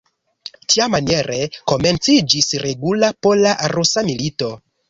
Tiamaniere komenciĝis regula pola-rusa milito.